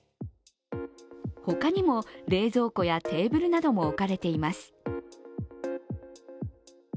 他にも冷蔵庫やテーブルなども置かれています。